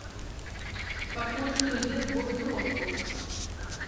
Пакуль што ідзе збор сродкаў.